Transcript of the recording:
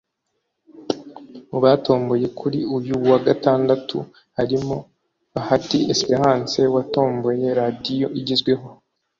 Mu batomboye kuri uyu wa Gatandatu harimo; Bahati Esperance watomboye radio igezweho